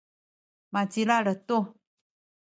macilal tu.